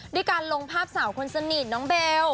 ด้วยการลงภาพสาวคนสนิทน้องเบล